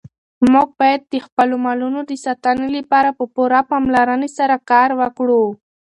موږ باید د خپلو مالونو د ساتنې لپاره په پوره پاملرنې سره کار وکړو.